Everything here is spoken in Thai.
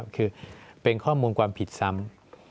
คือเป็นข้อมูลความผิดซ้ำ